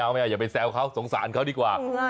แม่อย่าไปแซวเขาสงสารเขาดีกว่า